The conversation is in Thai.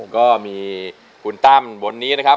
ก็มีคุณตั้มบนนี้นะครับ